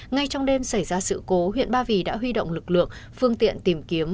ngay trong đêm xảy ra sự cố huyện ba vì đã huy động lực lượng phương tiện tìm kiếm